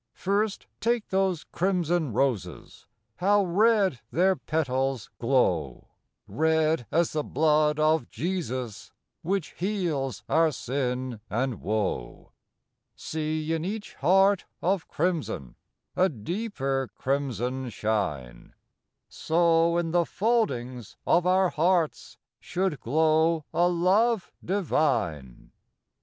First, take those crimson roses, — How red their petals glow ! Red as the blood of Jesus, Which heals our sin and woe. See in each heart of crimson A deeper crimson shine : So in the foldings of our hearts Should glo\v a love divine.